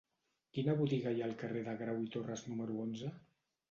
Quina botiga hi ha al carrer de Grau i Torras número onze?